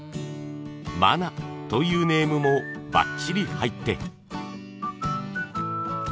「ｍａｎａ」というネームもばっちり入って。